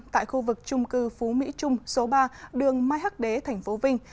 tại khu vực trung cư phú mỹ trung số ba đường mai hắc đế tp vinh